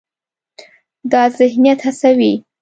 دا ذهنیت هڅوي،